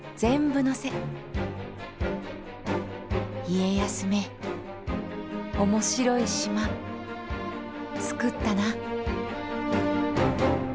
家康め面白い島つくったな。